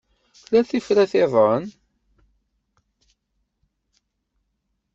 Tella tifrat-iḍen?